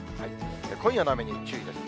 今夜の雨に注意です。